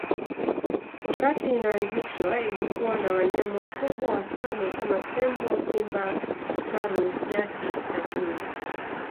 Wakati inaanzishwa ilikuwa na wanyama wakubwa watano kama tembo simba faru nyati na chui